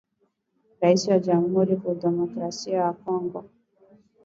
Raisi wa jamhuri ya kidemokrasia ya Kongo